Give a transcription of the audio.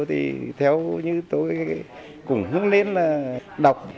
thì theo như tôi cũng hướng lên là đọc